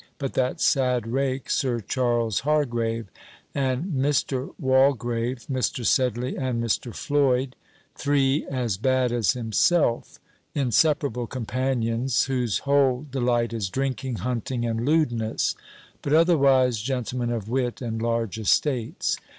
but that sad rake Sir Charles Hargrave; and Mr. Walgrave, Mr. Sedley, and Mr. Floyd, three as bad as himself; inseparable companions, whose whole delight is drinking, hunting, and lewdness; but otherwise gentlemen of wit and large estates.